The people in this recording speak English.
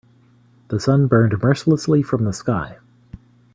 The sun burned mercilessly from the sky.